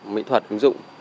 mỹ thuật ứng dụng